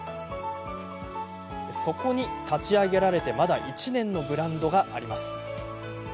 そこに、立ち上げられてまだ１年のブランドがあります。